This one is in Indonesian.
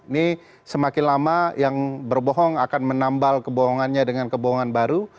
ini semakin lama yang berbohong akan menambal kebohongannya dengan kebohongan baru